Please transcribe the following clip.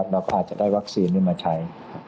เราพาจะได้วัคซีนมาใช้